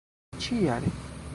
ĉi jare